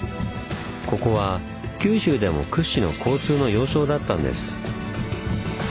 ここは九州でも屈指の交通の要衝だったんです。